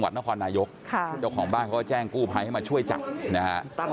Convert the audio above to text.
ขวาก่อนอ่ะต้องค่อยเข้ารอดอีกฝั่งนี้รอดอีกฝั่งนี้